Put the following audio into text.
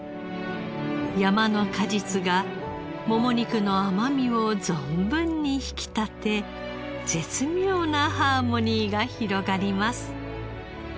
山の果実がもも肉の甘みを存分に引き立て絶妙なハーモニーが広がります。